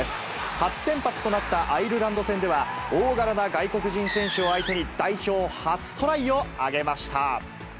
初先発となったアイルランド戦では、大柄な外国人選手を相手に、代表初トライを挙げました。